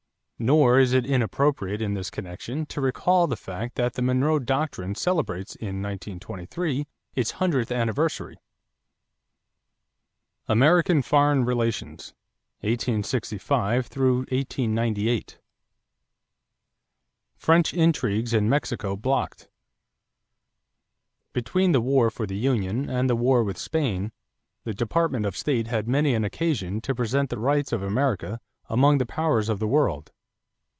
Nor is it inappropriate in this connection to recall the fact that the Monroe Doctrine celebrates in 1923 its hundredth anniversary. AMERICAN FOREIGN RELATIONS (1865 98) =French Intrigues in Mexico Blocked.= Between the war for the union and the war with Spain, the Department of State had many an occasion to present the rights of America among the powers of the world.